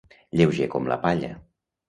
Lleuger com la palla.